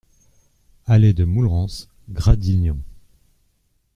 Allée de Moulerens, Gradignan